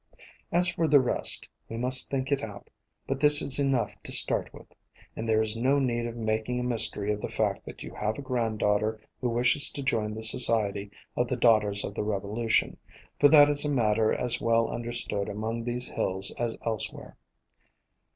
As for the rest, we must think it out, but this is enough to start with ; and there is no need of making a mystery of the fact that you have a granddaughter who wishes to join the Society of the Daughters of the Revolution, for that is a matter as well un derstood among these hills as elsewhere.